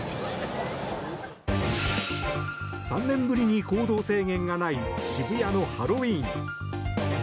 ３年ぶりに行動制限がない渋谷のハロウィーン。